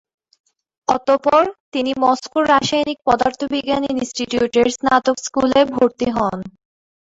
অতঃপর তিনি মস্কোর রাসায়নিক পদার্থবিজ্ঞান ইনস্টিটিউটের স্নাতক স্কুলে ভর্তি হন।